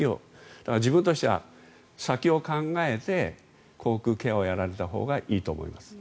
だから自分たちの先を考えて口腔ケアをやられたほうがいいと思います。